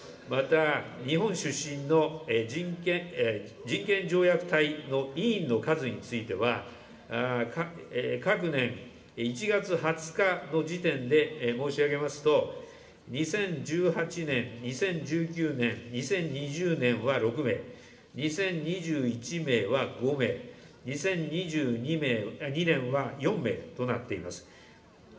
また日本出身の人権条約隊の委員の数については、各年１月２０日の時点で申し上げますと、２０１８年、２０１９年、２０２０年は６名、２０２１年は５名、２０２２年は４名となっています。